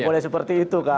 boleh seperti itu kan